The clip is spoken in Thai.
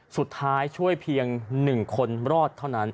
สุดท้ายช่วยเพียง๑คนรอดเท่านั้น